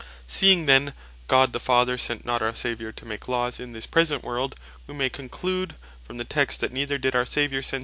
Seeing then God the Father sent not our Saviour to make Laws in this present world, wee may conclude from the Text, that neither did our Saviour send S.